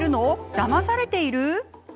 だまされている？